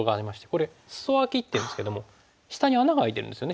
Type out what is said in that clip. これスソアキっていいますけども下に穴が開いてるんですよね